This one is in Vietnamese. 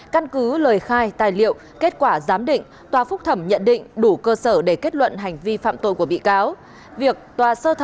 căn cứ lời khai tài liệu kết quả giám định tòa phúc thẩm nhận định đủ cơ sở để kết luận hành vi phạm tội của bị cáo